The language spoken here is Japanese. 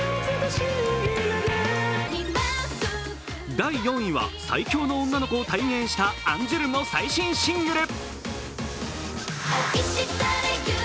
第４位は、最強の女の子を体現したアンジュルムの最新シングル。